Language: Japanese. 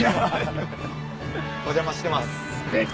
・お邪魔してます。